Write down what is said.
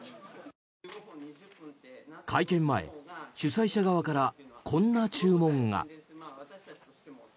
会見前、主催者側からこんな注文が。